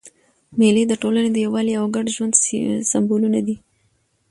مېلې د ټولني د یووالي او ګډ ژوند سېمبولونه دي.